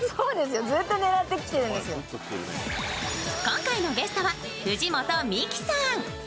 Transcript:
今回のゲストは藤本美貴さん。